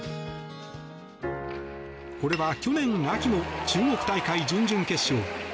これは去年秋の中国大会準々決勝。